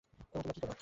এবং তোমরা কী কর?